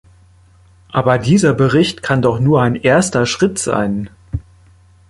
Aber dieser Bericht kann doch nur ein erster Schritt sein.